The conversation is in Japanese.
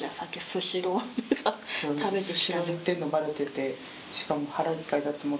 スシロー行ってるのバレててしかも。